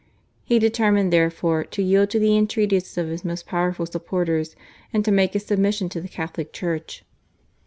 He determined, therefore, to yield to the entreaties of his most powerful supporters and to make his submission to the Catholic Church.